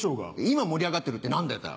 今盛り上がってるって何だよ？